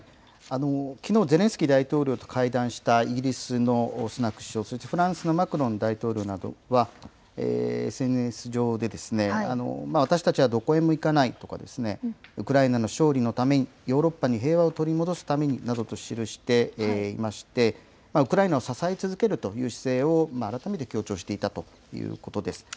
きのう、ゼレンスキー大統領と会談したイギリスのスナク首相、そしてフランスのマクロン大統領などは、ＳＮＳ上で、私たちはどこへも行かないですとか、ウクライナ勝利のために、ヨーロッパに平和を取り戻すためになどと記していまして、ウクライナを支え続けるという姿勢を、改めて強調していたということです。